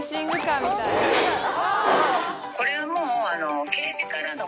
これはもう。